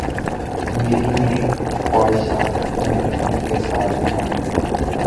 میری نیک خواہشات عمر اکمل کے ساتھ ہیں